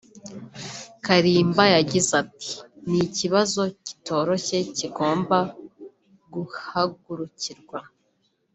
Kalimba yagize ati “ Ni ikibazo kitoroshye kigomba guhagurukirwa